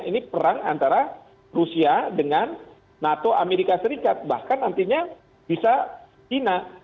ini perang antara rusia dengan nato amerika serikat bahkan artinya bisa china